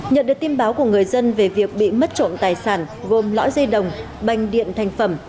nhận được tin báo của người dân về việc bị mất trộm tài sản gồm lõi dây đồng banh điện thành phẩm